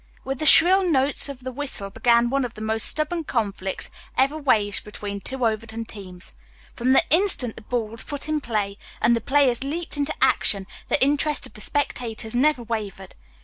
With the shrill notes of the whistle began one of the most stubborn conflicts ever waged between two Overton teams. From the instant the ball was put in play and the players leaped into action the interest of the spectators never wavered.